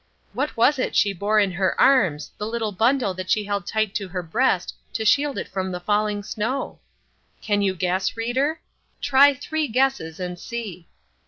What was it she bore in her arms, the little bundle that she held tight to her breast to shield it from the falling snow? Can you guess, reader? Try three guesses and see.